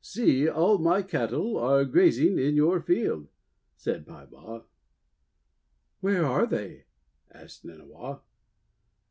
See, all my cattle are grazing in your field!' said Peibaw. 'Where are they?" asked Nynniaw.